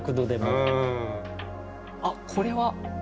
あっこれは！